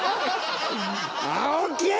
青木！